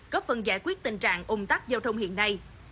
có phần giải quyết tình trạng ung tắc giao thông hiện nay